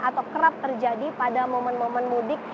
atau kerap terjadi pada momen momen mudik